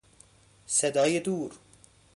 صدای دور